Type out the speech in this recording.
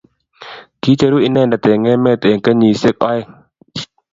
kicheru inende eng' emet eng kenysiek oeng'